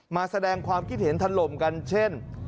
มาแสดงความคิดเห็นถล่มกันเช่น